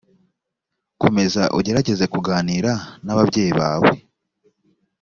komeza ugerageze kuganira n ababyeyi bawe